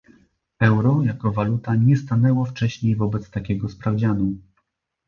Euro jako waluta nie stanęło wcześniej wobec takiego sprawdzianu